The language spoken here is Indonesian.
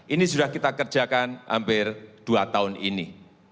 ini sudah kita kerjakan hampir dua tahun ini